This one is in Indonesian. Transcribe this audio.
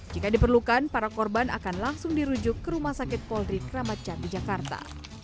jika diperlukan para korban akan langsung dirujuk ke rumah sakit poldri kramacat di jakarta